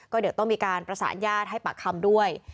ก็เดี๋ยวต้องมีการประสานญาติให้ปากคำด้วย